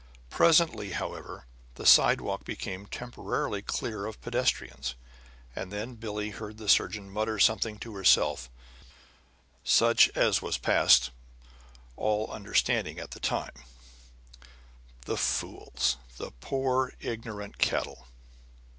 Presently, however, the sidewalk became temporarily clear of pedestrians; and then Billie heard the surgeon mutter something to herself, such as was past all understanding at the time: "The fools! The poor, ignorant cattle!"